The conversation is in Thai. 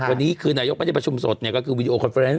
วันนี้นายกมันจะมีประชุมสดก็คือวีดีโอคอนเฟอร์แฟรนส์